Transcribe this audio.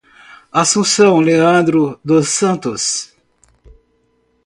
Assunção Leandro dos Santos